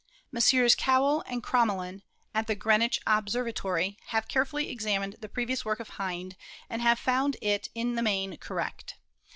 Messrs. Cowell and Crom melin, at the Greenwich Observatory, have carefully ex amined the previous work of Hind and have found it in the main correct.